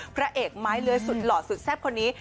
พระเอกไม้เลื้อยสุดหล่อสุดแซ่บคนนี้